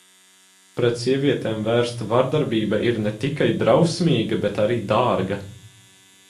Pret sievietēm vērsta vardarbība ir ne tikai drausmīga, bet arī dārga.